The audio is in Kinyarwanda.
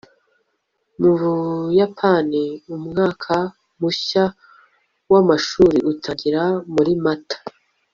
mu buyapani, umwaka mushya w'amashuri utangira muri mata